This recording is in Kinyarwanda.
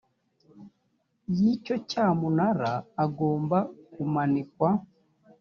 y icyo cyamunara agomba kumanikwa